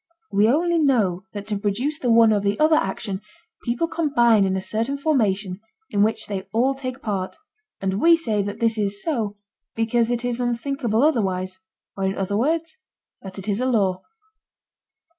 We only know that to produce the one or the other action, people combine in a certain formation in which they all take part, and we say that this is so because it is unthinkable otherwise, or in other words that it is a law.